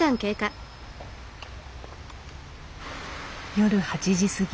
夜８時過ぎ。